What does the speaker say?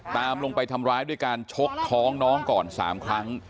ตามลงไปทำร้ายด้วยการชกท้องน้องก่อน๓ครั้ง